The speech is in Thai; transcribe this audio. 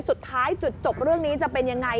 สุดท้ายจุดจบเรื่องนี้จะเป็นยังไง